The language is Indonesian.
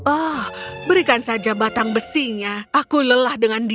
oh berikan saja batang besinya aku lelah dengan dia